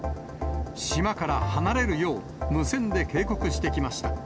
島から離れるよう、無線で警告してきました。